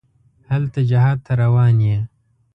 هلته جهاد ته روان یې.